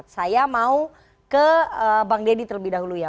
saya mau ke bang deddy terlebih dahulu ya